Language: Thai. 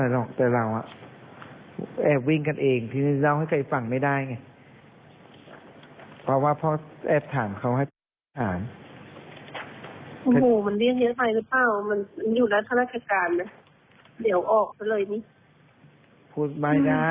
ลองฟังดูหน่อยฮะ